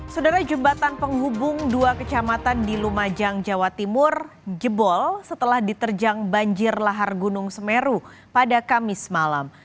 saudara jembatan penghubung dua kecamatan di lumajang jawa timur jebol setelah diterjang banjir lahar gunung semeru pada kamis malam